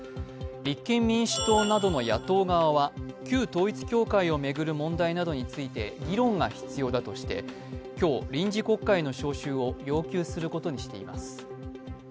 立憲民主党などの野党側は旧統一教会を巡る問題などについて議論が必要だとして今日、臨時国会の召集を要求することにしています。